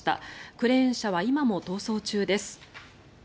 クレーン車は今も逃走中です。